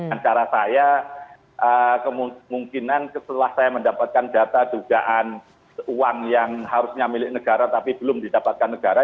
antara saya kemungkinan setelah saya mendapatkan data dugaan uang yang harusnya milik negara tapi belum didapatkan negara